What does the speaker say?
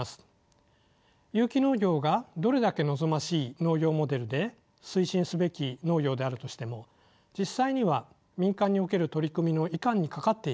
有機農業がどれだけ望ましい農業モデルで推進すべき農業であるとしても実際には民間における取り組みのいかんにかかっているということです。